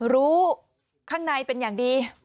รู้ข้างในเป็นอย่างดี